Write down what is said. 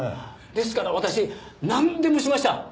ですから私なんでもしました。